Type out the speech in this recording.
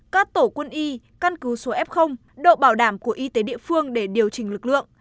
các tổ quân y căn cứ số f độ bảo đảm của y tế địa phương để điều chỉnh lực lượng